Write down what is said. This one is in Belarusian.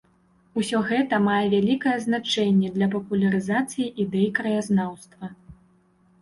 Усё гэта мае вялікае значэнне для папулярызацыі ідэй краязнаўства.